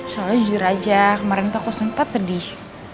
soalnya jujur aja kemarin tuh aku sempat sedih